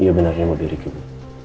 iya benarnya mau diriki bu